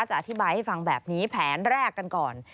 อธิบายให้ฟังแบบนี้แผนแรกกันก่อน